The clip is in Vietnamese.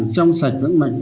trong sạch vững mạnh